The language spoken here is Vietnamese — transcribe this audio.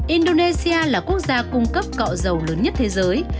indonesia là quốc gia cung cấp cọ dầu lớn nhất thế giới